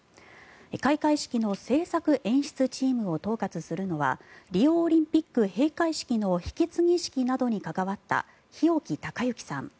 開会式の制作演出チームを統括するのはリオオリンピック閉会式の引き継ぎ式などに関わった日置貴之さん。